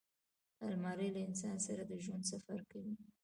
الماري له انسان سره د ژوند سفر کوي